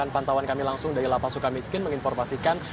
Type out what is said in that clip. pantauan kami langsung dari lp sukamiskin menginformasikan